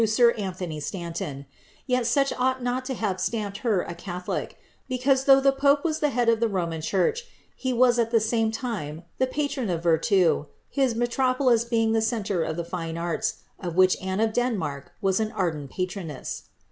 i sir Anthony Standon ;' yci, such ought not to have stamped her a caiiio tic, because, though the pope was the head of the Roman church, he wa.i, at the same time, the patron of virin, his metropolis bcijig ihe centre of the fine aita, of which Anne of Denmark was an ardeiiL [::i troness.